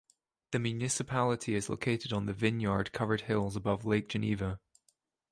The municipality is located on the vineyard covered hills above Lake Geneva.